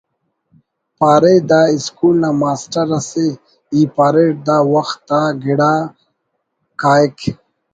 پارے the school نا ماسٹر اسے ای پاریٹ دا وخت آ گڑا کاہک